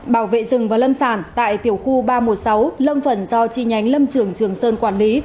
bảo vệ rừng và lâm sản tại tiểu khu ba trăm một mươi sáu lâm phần do chi nhánh lâm trường trường sơn quản lý